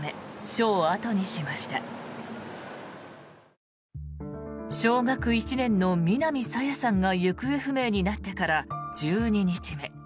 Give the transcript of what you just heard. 小学１年の南朝芽さんが行方不明になってから１２日目。